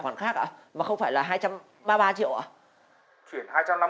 anh không có cãi nhau được không